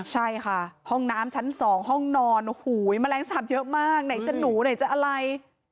ใช่ค่ะห้องน้ำชั้น๒ห้องนอนโอ้โหแมลงสาปเยอะมากไหนจะหนูไหนจะอะไร